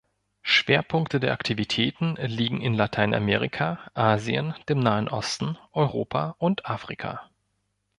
Schwerpunkte der Aktivitäten liegen in Lateinamerika, Asien, dem Nahen Osten, Europa und Afrika.